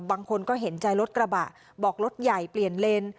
บางคนก็เห็นใจรถกระบะบอกรถใหญ่เปลี่ยนเลน